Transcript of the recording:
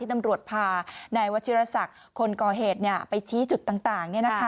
ตำรวจพานายวัชิรษักคนก่อเหตุไปชี้จุดต่าง